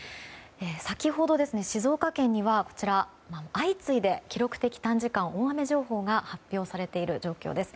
先ほど、静岡県には相次いで記録的短時間大雨情報が発表されている状況です。